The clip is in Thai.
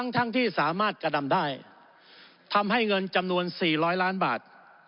ทั้งที่สามารถกระดำได้ทำให้เงินจำนวน๔๐๐ล้านบาท